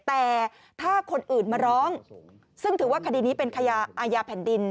แต่ถ้าคนอื่นมาร้องซึ่งถือว่าคดีนี้เป็นคดีอาญาแผ่นดิน